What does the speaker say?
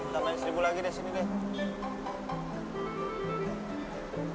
tambahin seribu lagi deh sini deh